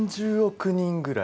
人ぐらい？